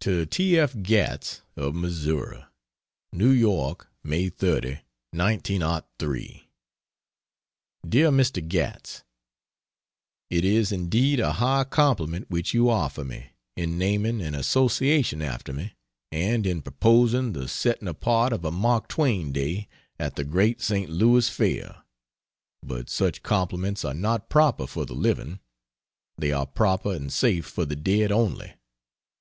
To T. F. Gatts, of Missouri: NEW YORK, May 30, 1903. DEAR MR. GATTS, It is indeed a high compliment which you offer me in naming an association after me and in proposing the setting apart of a Mark Twain day at the great St. Louis fair, but such compliments are not proper for the living; they are proper and safe for the dead only.